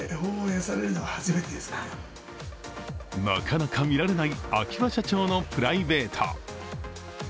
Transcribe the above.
なかなか見られない秋葉社長のプライベート。